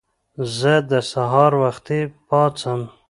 زه د سهار وختي پاڅم.